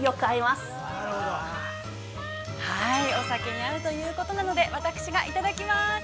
◆お酒にあうということなので、私がいただきます。